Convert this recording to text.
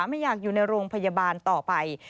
ไม่อยากอยู่ในโรงพยาบาลต่อไป